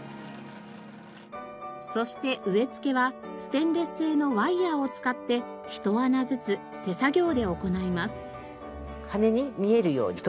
そして植え付けはステンレス製のワイヤを使ってひと穴ずつ手作業で行います。